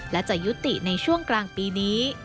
และจะยุติในช่วงกลางปีนี้